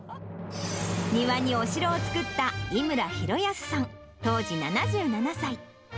庭にお城を作った井村裕保さん、当時７７歳。